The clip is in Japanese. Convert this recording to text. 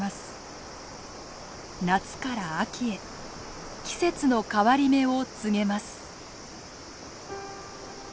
夏から秋へ季節の変わり目を告げます。